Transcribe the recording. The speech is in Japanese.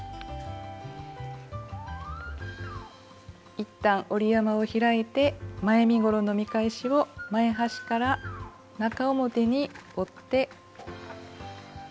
いったん折り山を開いて前身ごろの見返しを前端から中表に折って。